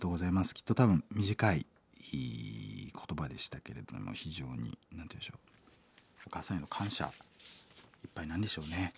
きっと多分短い言葉でしたけれども非常に何て言うんでしょうお母さんへの感謝いっぱいなんでしょうね。